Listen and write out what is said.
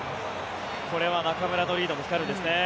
これは中村のリードも光るんですね。